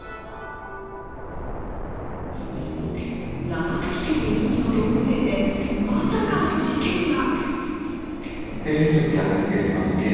長崎県で人気の動物園でまさかの事件が！